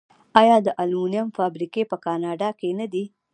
آیا د المونیم فابریکې په کاناډا کې نه دي؟